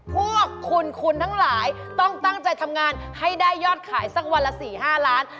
พวกคุณคุณทั้งหลายต้องตั้งใจทำงานให้ได้ยอดขายสักวันละ๔๕ล้าน